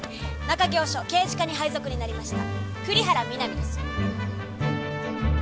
中京署刑事課に配属になりました栗原美波です。